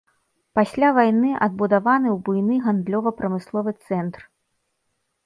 Пасля вайны адбудаваны ў буйны гандлёва-прамысловы цэнтр.